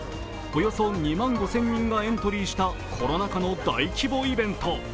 およそ２万５０００人がエントリーしたコロナ禍の大規模イベント。